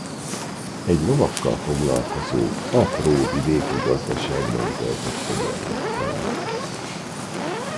Egy lovakkal foglalkozó apró vidéki gazdaságban töltötte gyermekkorát.